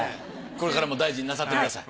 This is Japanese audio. これから大事になさってください。